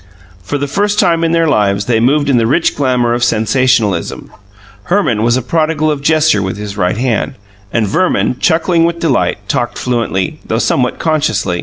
For the first time in their lives they moved in the rich glamour of sensationalism. Herman was prodigal of gesture with his right hand; and Verman, chuckling with delight, talked fluently, though somewhat consciously.